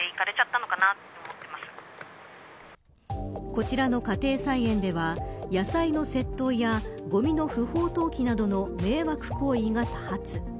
こちらの家庭菜園では野菜の窃盗やごみの不法投棄などの迷惑行為が多発。